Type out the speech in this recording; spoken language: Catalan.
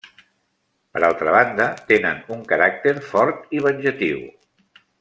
Per altra banda, tenen un caràcter fort i venjatiu.